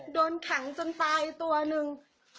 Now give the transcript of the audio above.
โดนขังจนตายตัวหนึ่ง